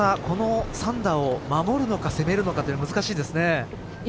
この３打を守るのか攻めるのかというのは難しいですね。